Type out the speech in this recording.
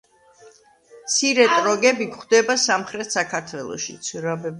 მცირე ტროგები გვხვდება სამხრეთ საქართველოშიც.